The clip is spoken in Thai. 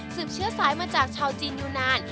เชื้อสายมาจากชาวจีนอยู่นาน